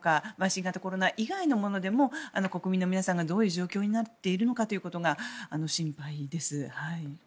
新型コロナ以外のものでも国民の皆さんがどういう状況になっているかというのが心配です。